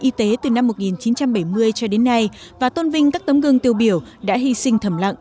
y tế từ năm một nghìn chín trăm bảy mươi cho đến nay và tôn vinh các tấm gương tiêu biểu đã hy sinh thầm lặng